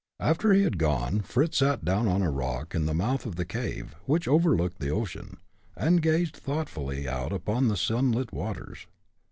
After he had gone, Fritz sat down on a rock in the mouth of the cave, which overlooked the ocean, and gazed thoughtfully out upon the sunlit waters.